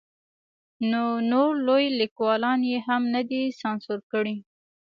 نو نور لوی لیکوالان یې هم نه دي سانسور کړي.